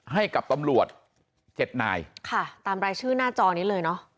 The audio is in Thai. ให้กับตำรวจเจ็ดนายค่ะตามรายชื่อหน้าจอนี้เลยเนอะ